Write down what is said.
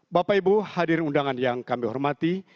bapak ibu hadir undangan yang kami hormati